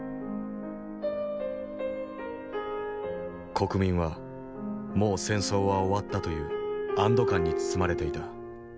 国民はもう戦争は終わったという安堵感に包まれていた。